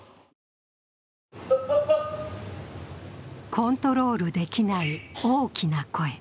コントロールできない大きな声。